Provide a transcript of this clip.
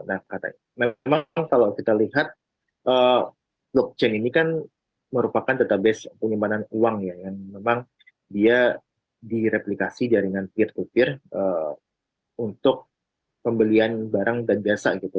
nah memang kalau kita lihat blockchain ini kan merupakan database penyimpanan uang ya yang memang dia direplikasi jaringan peer to peer untuk pembelian barang dan jasa gitu